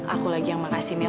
aku lagi yang makasih mil